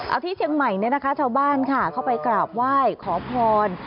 เอาที่เชียงใหม่เนี่ยนะคะชาวบ้านค่ะเข้าไปกราบไหว้ขอพร